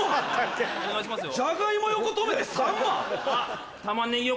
お願いしますよ。